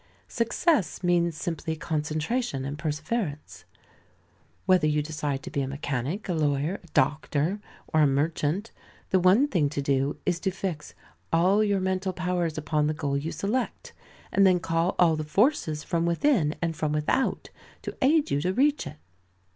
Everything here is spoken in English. Success means simply concentration and perseverance. Whether you decide to be a mechanic, a lawyer, a doctor, or a merchant, the one thing to do is to fix all your mental powers upon the goal you select, and then call all the forces from within and from without, to aid you to reach it.